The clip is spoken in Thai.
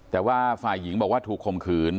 แต่ว่าฝ่ายหญิงบอกว่าถูกคมขืน